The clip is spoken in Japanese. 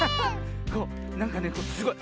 こうなんかねすごい